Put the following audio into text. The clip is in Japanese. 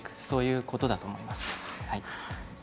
そういうことだと思います。